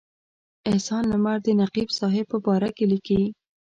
احسان لمر د نقیب صاحب په باره کې لیکي.